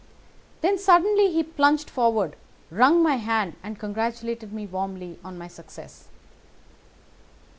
Then suddenly he plunged forward, wrung my hand, and congratulated me warmly on my success.